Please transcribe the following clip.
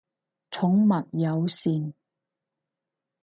寵物友善